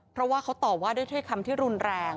เพราะว่าเขาตอบว่าด้วยถ้อยคำที่รุนแรง